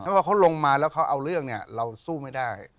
พอเขาลงมาแล้วเขาเอาเรื่องเนี่ยเราสู้ไม่ได้